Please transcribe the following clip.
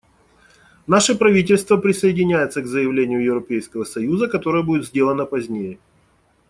Наше правительство присоединяется к заявлению Европейского союза, которое будет сделано позднее.